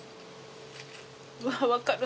うわ分かる。